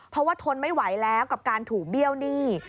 เพราะว่าทนไม่ไหวแล้วกับการถูกเบี้ยวหนี้